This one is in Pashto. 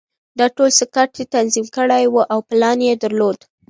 دا ټول سکاټ تنظیم کړي وو او پلان یې درلود